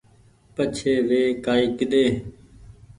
پڇي وي ڪآئي ڪيۮي